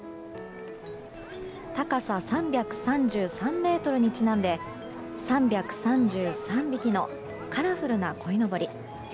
高さ３３３ｍにちなんで３３３匹のカラフルなこいのぼり。